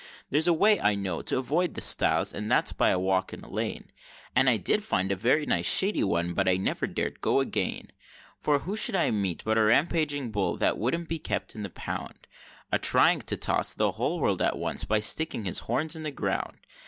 There's a way, I know, to avoid the stiles, and that's by a walk in a lane, And I did find a very nice shady one, but I never dared go again; For who should I meet but a rampaging bull, that wouldn't be kept in the pound, A trying to toss the whole world at once, by sticking his horns in the ground?